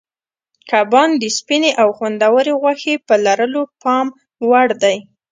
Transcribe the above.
کبان د سپینې او خوندورې غوښې په لرلو پام وړ دي.